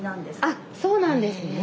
あっそうなんですね。